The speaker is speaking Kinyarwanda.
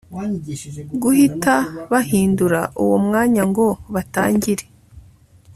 guhita bahindura uwo mwanya ngo batangire